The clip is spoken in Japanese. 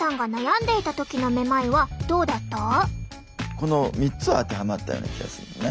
この３つは当てはまったような気がするのね。